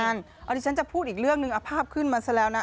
อันนี้ฉันจะพูดอีกเรื่องหนึ่งเอาภาพขึ้นมาซะแล้วนะ